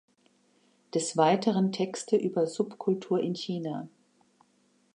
Des Weiteren Texte über Subkultur in China.